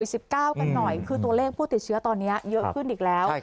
กันหน่อยคือตัวเลขผู้ติดเชื้อตอนนี้เยอะขึ้นอีกแล้ว